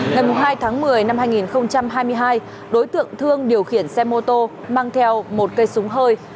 ngày hai tháng một mươi năm hai nghìn hai mươi hai đối tượng thương điều khiển xe mô tô mang theo một cây súng hơi